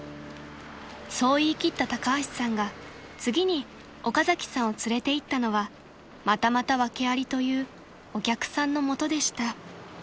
［そう言い切った高橋さんが次に岡崎さんを連れていったのはまたまた訳ありというお客さんの元でした］